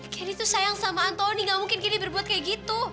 kenny tuh sayang sama anthony gak mungkin gini berbuat kayak gitu